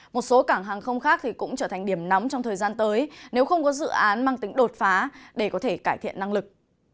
một số cảng hàng không khác cũng trở thành điểm nóng trong thời gian tới nếu không có dự án mang tính đột phá để có thể cải thiện năng lực